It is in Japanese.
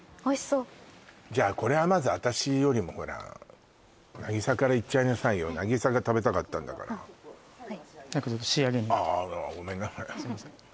じゃあこれはまず私よりもほら凪紗からいっちゃいなさいよ凪紗が食べたかったんだからあっはいああごめんなすいません